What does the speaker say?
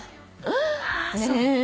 ねえ。